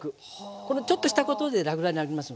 このちょっとしたことでらくらくになりますので。